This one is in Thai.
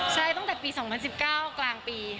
ใช่ตั้งแต่ปี๒๐๑๙กลางปี